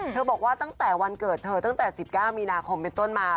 บอกว่าตั้งแต่วันเกิดเธอตั้งแต่๑๙มีนาคมเป็นต้นมา